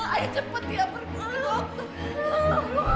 ayah cepat ya berburu